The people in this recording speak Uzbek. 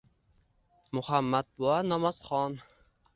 Muhammad buva namozxon